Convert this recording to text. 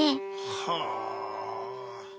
はあ。